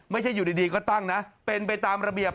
ไม่ใช่อยู่ดีก็ตั้งนะเป็นไปตามระเบียบ